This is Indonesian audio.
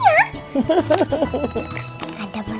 terus ini ada balok balok